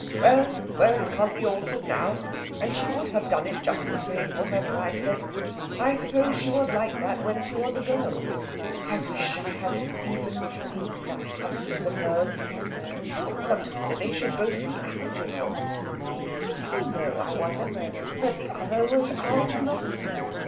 "Well well; it can't be altered now. And she would have done it just the same whatever I said.... I suppose she was like that when she was a girl.... I wish I had even seen that husband of hers.... So odd they should both be Algernon! Does he know, I wonder, that the other was Algernon?"